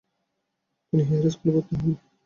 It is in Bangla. তিনি হেয়ার স্কুলে ভর্তি হন।